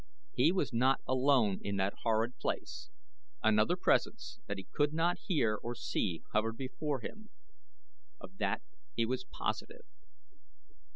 He was not alone in that horrid place another presence that he could not hear or see hovered before him of that he was positive.